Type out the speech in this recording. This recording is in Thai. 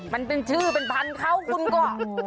มันเป็นชื่อเป็นพันธุ์เขาคุณก็